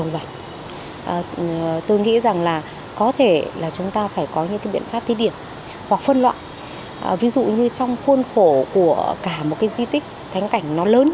với lộ trình thích hợp